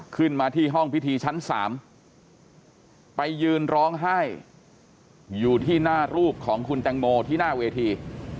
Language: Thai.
ขึ้นมาที่ห้องพิธีชั้น๓ไปยืนร้องไห้อยู่ที่หน้ารูปของคุณแตงโมที่หน้าเวที